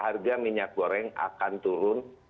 harga minyak goreng akan turun